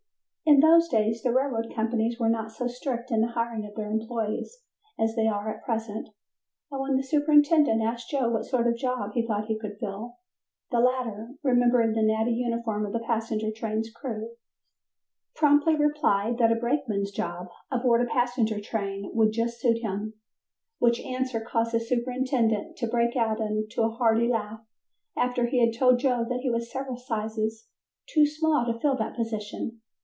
In those days, the railroad companies were not so strict in the hiring of their employees as they are at present, and when the superintendent asked Joe what sort of job he thought he could fill, the latter, remembering the natty uniform of the passenger train's crew, promptly replied that a brakeman's job aboard a passenger train would just suit him, which answer caused the superintendent to break out into a hearty laugh, after he had told Joe that he was several sizes too small to fill that position.